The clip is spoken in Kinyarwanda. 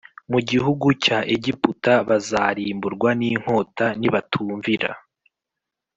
mu gihugu cya Egiputa bazarimburwa n inkota nibatumvira